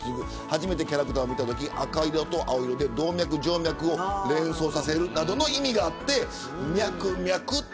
初めてキャラクターを見たとき赤色と青色で動脈、静脈を連想させるなどの意味があってミャクミャク。